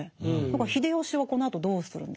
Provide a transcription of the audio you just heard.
秀吉はこのあとどうするんですか？